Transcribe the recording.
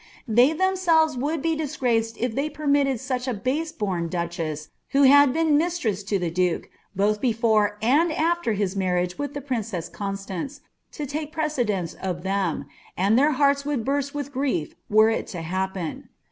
They ihemsoWes would be disgraced if ihev perniiiinl cud) a base born duchess, who had been mistress to the dnkr, badi before and after his inarriage with the priJicess CoiiaiAnce, in take pr*> cedence of them, and their hearts would burst with grief were it to happen.